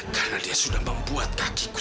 karena dia sudah membuat kakiku